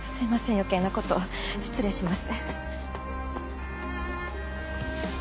余計なことを失礼します。